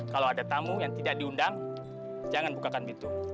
kalau ada tamu yang tidak diundang jangan bukakan bitung